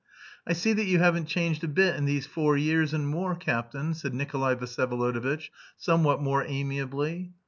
"I see that you haven't changed a bit in these four years and more, captain," said Nikolay Vsyevolodovitch, somewhat more amiably.